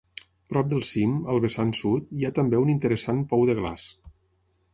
Prop del cim, al vessant sud, hi ha també un interessant pou de glaç.